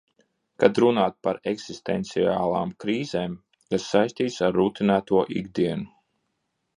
Kad runāt par eksistenciālām krīzēm, kas saistītas ar rutinēto ikdienu.